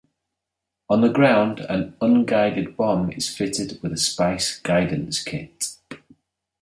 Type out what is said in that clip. On the ground, an unguided bomb is fitted with a "Spice" guidance kit.